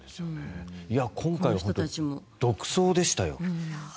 今回は独走でしたよ。